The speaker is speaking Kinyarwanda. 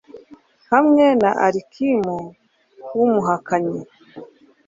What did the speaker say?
hamwe na alikimu w'umuhakanyi